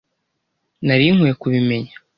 Nari nkwiye kubimenya.